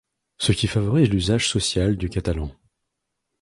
Ce qui favorise l’usage social du catalan.